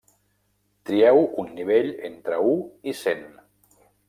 Trieu un nivell entre u i cent.